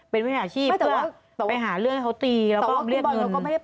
เป็นวิชาชีพเพื่อไปหาเรื่องให้เขาตีแล้วก็เรียกเงิน